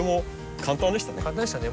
簡単でしたね。